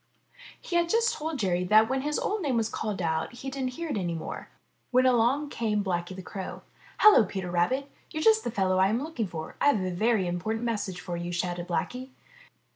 He had just told Jerry that when his old name was called out he didn't hear it any more, when along came Blacky the Crow. ''Hello, Peter Rabbit! You're just the fellow I am looking for; I've a very important message for you," shouted Blacky.